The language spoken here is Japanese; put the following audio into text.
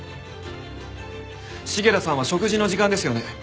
重田さんは食事の時間ですよね？